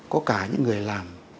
có cả những người làm